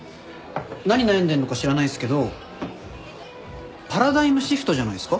何悩んでんのか知らないっすけどパラダイムシフトじゃないっすか？